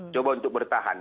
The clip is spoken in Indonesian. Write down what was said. coba untuk bertahan